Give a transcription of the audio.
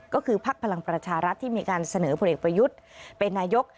ก็คือพักพลังประชารัฐที่มีการเสนอผลเอกประยุทธ์เป็นนายก